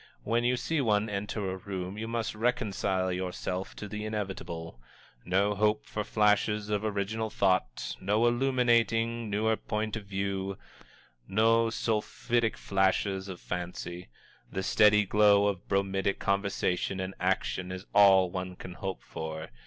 When you see one enter a room, you must reconcile yourself to the inevitable. No hope for flashes of original thought, no illuminating, newer point of view, no sulphitic flashes of fancy the steady glow of bromidic conversation and action is all one can hope for.